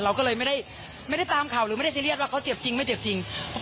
เราก็เลยไม่ได้ตามข่าวหรือไม่ได้ซีเรียสว่าเขาเจ็บจริงไม่เจ็บจริง